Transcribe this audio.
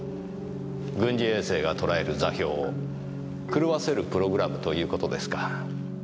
軍事衛星がとらえる座標を狂わせるプログラムという事ですか。